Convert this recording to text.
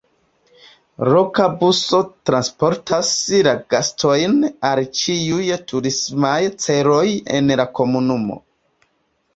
Loka buso transportas la gastojn al ĉiuj turismaj celoj en la komunumo.